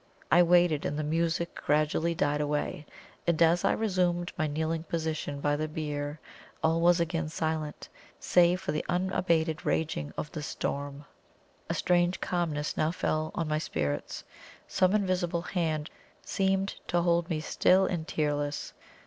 I waited, and the music gradually died away; and as I resumed my kneeling position by the bier all was again silence, save for the unabated raging of the storm. A strange calmness now fell on my spirits. Some invisible hand seemed to hold me still and tearless.